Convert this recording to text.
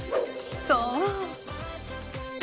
そう！